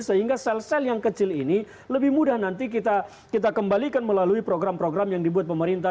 sehingga sel sel yang kecil ini lebih mudah nanti kita kembalikan melalui program program yang dibuat pemerintah